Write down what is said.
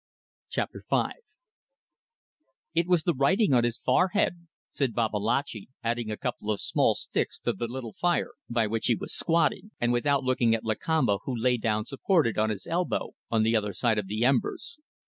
CHAPTER FIVE "It was the writing on his forehead," said Babalatchi, adding a couple of small sticks to the little fire by which he was squatting, and without looking at Lakamba who lay down supported on his elbow on the other side of the embers.